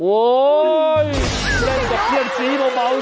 โอ้ยเล่นกับเพื่อนซี้เบาสิลูก